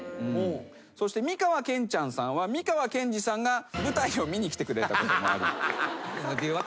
そして美川憲ちゃんさんは美川憲二さんが舞台を見に来てくれたこともある。